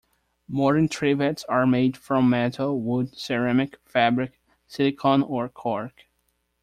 Modern trivets are made from metal, wood, ceramic, fabric, silicone or cork.